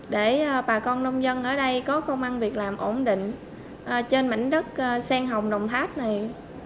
để bà con nông dân ở đây có công an việc làm ổn định trên mảnh đất sen hồng đồng tháp này